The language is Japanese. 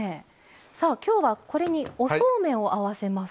さあきょうはこれにおそうめんを合わせます。